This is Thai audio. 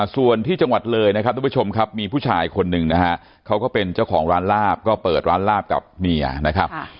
ส่วนที่จังหวัดเลยนะครับทุกผู้ชมครับมีผู้ชายคนหนึ่งนะฮะเขาก็เป็นเจ้าของร้านลาบก็เปิดร้านลาบกับเมียนะครับ